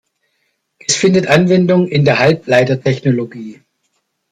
Es findet Anwendung in der Halbleitertechnologie.